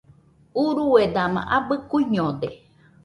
Urue dama abɨ kuiñode